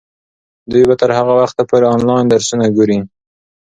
دوی به تر هغه وخته پورې انلاین درسونه ګوري.